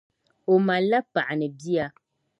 O mali la paɣa ni bia..